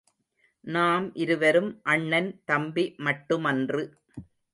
நாம் இருவரும் அண்ணன், தம்பி மட்டுமன்று.